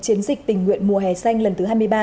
chiến dịch tình nguyện mùa hè xanh lần thứ hai mươi ba